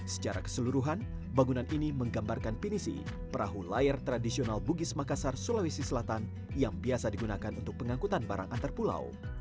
secara keseluruhan bangunan ini menggambarkan pinisi perahu layar tradisional bugis makassar sulawesi selatan yang biasa digunakan untuk pengangkutan barang antar pulau